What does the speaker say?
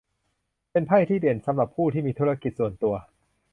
เป็นไพ่ที่เด่นสำหรับผู้ที่มีธุรกิจส่วนตัว